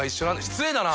失礼だな！